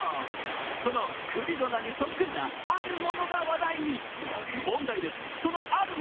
そのクリロナにそっくりなあるものが話題に。